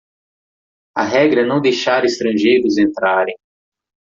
A regra é não deixar estrangeiros entrarem.